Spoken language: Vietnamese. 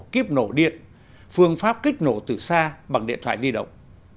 kíp nổ điện phương pháp kích nổ từ xa bằng điện thoại di động